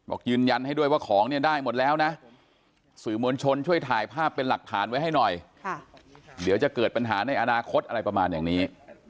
บอกยืนยันให้ด้วยว่าของเนี่ยได้หมดแล้วนะสื่อมวลชนช่วยถ่ายภาพเป็นหลักฐานไว้ให้หน่อยเดี๋ยวจะเกิดปัญหาในอนาคตอะไรประมาณอย่างนี้